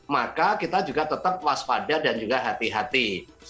maka kita juga tetap waspada dan juga hati hati